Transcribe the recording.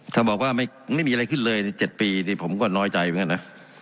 ถ้าบอกว่าไม่มีอะไรขึ้นเลยใน๗ปีผมก็น้อยใจไว้นะ